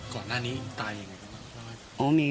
ก่อนหน้านี้ตายอย่างไร